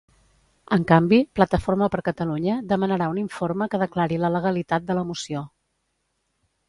En canvi, PxC demanarà un informe que declari la legalitat de la moció.